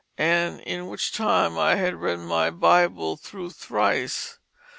And in which time I had read my Bible through thrice.